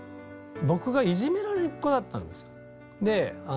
僕がいじめられっ子だったんですよ。